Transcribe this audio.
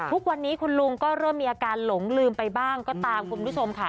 ทุกวันนี้คุณลุงก็เริ่มมีอาการหลงลืมไปบ้างก็ตามคุณผู้ชมค่ะ